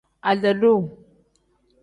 Ade-duu.